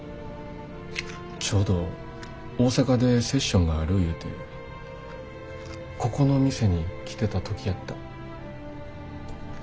ちょうど大阪でセッションがあるいうてここの店に来てた時やった。